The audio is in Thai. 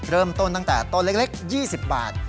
เริ่มต้นตั้งแต่ต้นเล็ก๒๐บาท